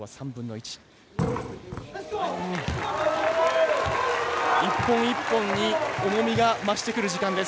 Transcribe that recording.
１本１本に重みが増してくる時間帯です。